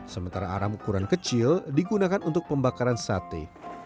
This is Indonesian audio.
sementara arang ukuran kecil digunakan untuk pembakaran sate